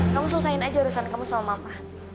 kamu selesaiin aja urusan kamu sama mama